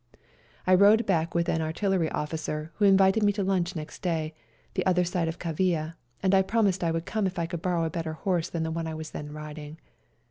I rode back with an artillery officer, who invited me to lunch next day, the other side of Kavaia, and I promised I would come if I could borrow a better horse than the one I was then riding.